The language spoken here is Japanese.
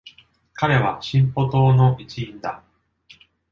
彼は進歩党の一員だ。